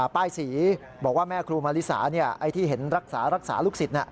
ป้ายสีบอกว่าแม่ครูมาริสาที่เห็นรักษารักษาลูกศิษย์